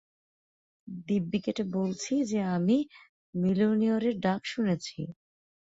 দিব্যি কেটে বলছি যে আমি মিওলনিরের ডাক শুনেছি।